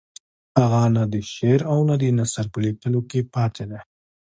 هغه نه د شعر او نه د نثر په لیکلو کې پاتې دی.